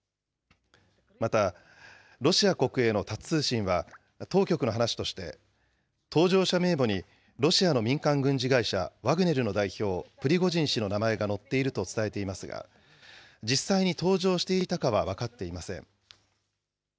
また、ロシア国営のタス通信は、当局の話として、搭乗者名簿にロシアの民間軍事会社、ワグネルの代表、プリゴジン氏の名前が載っていると伝えていますが、実際に搭乗していたかは分かっていません。